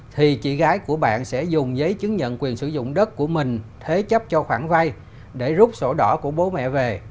thì chị gái của bạn sẽ dùng giấy chứng nhận quyền sử dụng đất của mình thế chấp cho khoản vay để rút sổ đỏ của bố mẹ về